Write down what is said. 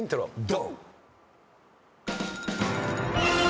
ドン！